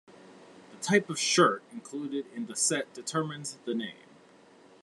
The type of shirt included in the set determines the name.